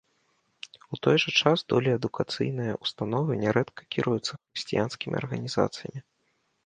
У той жа час долі адукацыйныя ўстановы нярэдка кіруюцца хрысціянскімі арганізацыямі.